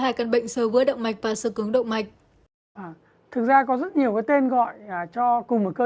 hai căn bệnh so với động mạch và sơ cứng động mạch thực ra có rất nhiều cái tên gọi cho cùng một cơ